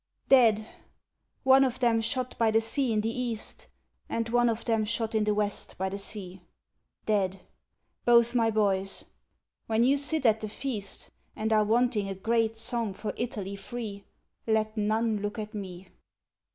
Dead! one of them shot by the sea in the east, And one of them shot in the west by the sea. Dead! both my boys! When you sit at the feast, And are wanting a great song for Italy free, Let none look at me!